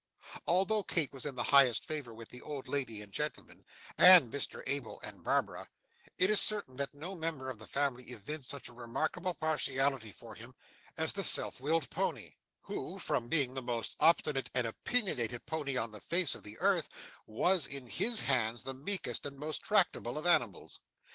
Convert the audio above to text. Although Kit was in the very highest favour with the old lady and gentleman, and Mr Abel, and Barbara, it is certain that no member of the family evinced such a remarkable partiality for him as the self willed pony, who, from being the most obstinate and opinionated pony on the face of the earth, was, in his hands, the meekest and most tractable of animals.